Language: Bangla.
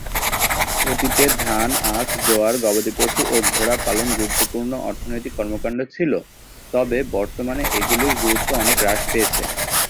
অতীতে ধান, আখ, জোয়ার, গবাদি পশু ও ঘোড়া পালন গুরুত্বপূর্ণ অর্থনৈতিক কর্মকাণ্ড ছিল, তবে বর্তমানে এগুলির গুরুত্ব অনেক হ্রাস পেয়েছে।